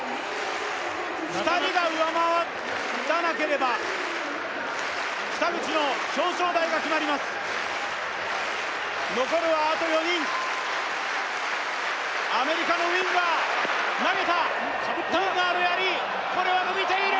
２人が上回らなければ北口の表彰台が決まります残るはあと４人アメリカのウィンガー投げたかぶったウィンガーのやりこれはのびている！